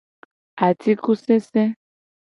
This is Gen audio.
Atikusese.